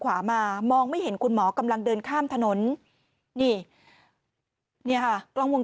ขวามามองไม่เห็นคุณหมอกำลังเดินข้ามถนนนี่เนี่ยค่ะกล้องวง